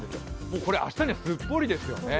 これ、明日にはすっぽりですよね。